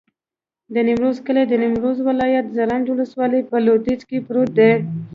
د نیمروز کلی د نیمروز ولایت، زرنج ولسوالي په لویدیځ کې پروت دی.